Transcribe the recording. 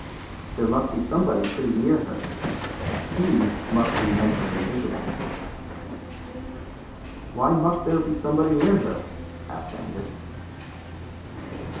There must be somebody pretty near her; he must be mentally invisible." "Why must there be somebody near her?" asked Angus.